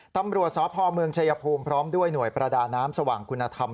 ตำรวจสพเมืองชายภูมิพร้อมด้วยหน่วยประดาน้ำสว่างคุณธรรม